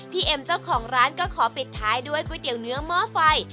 เอ็มเจ้าของร้านก็ขอปิดท้ายด้วยก๋วยเตี๋ยวเนื้อหม้อไฟ